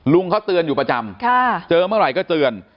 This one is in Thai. ลุงเขาเตือนอยู่ประจำเจอเมื่อไหร่ก็เตือน